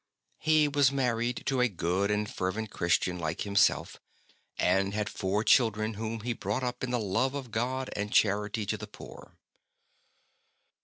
He was married to a good and fervent Christian Hke himself, and had four children whom he brought up in the love of God and charity to the poor.